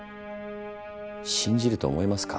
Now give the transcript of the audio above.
信じると思いますか？